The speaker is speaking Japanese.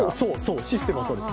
システムはそうです。